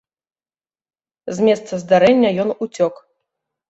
З месца здарэння ён уцёк.